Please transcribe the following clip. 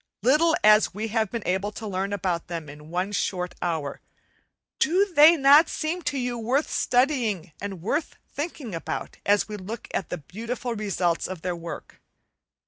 Little as we have been able to learn about them in one short hour, do they not seem to you worth studying and worth thinking about, as we look at the beautiful results of their work?